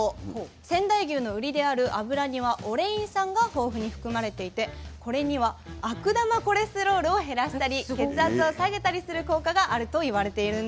仙台牛のウリである脂にはオレイン酸が豊富に含まれていてこれには悪玉コレステロールを減らしたり血圧を下げたりする効果があると言われているんです。